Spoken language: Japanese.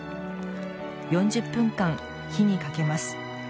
４０分間、火にかけます。